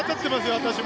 私も。